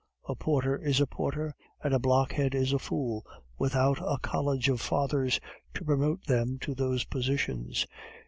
A porter is a porter, and a blockhead is a fool, without a college of fathers to promote them to those positions."